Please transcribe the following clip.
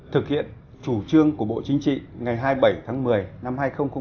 thực hiện chủ trương của bộ chính trị ngày hai mươi bảy tháng một mươi năm hai nghìn tám